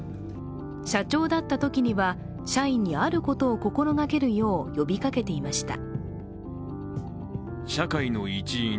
社長だったときには、社員にあることを心がけるよう呼びかけていました。